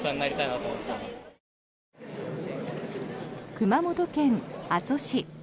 熊本県阿蘇市。